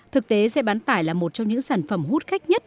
thực tế xe bán tải là một trong những sản phẩm hút khách nhất